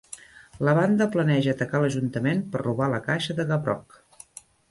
La banda planeja atacar l'ajuntament per robar la Caixa de Gavrok.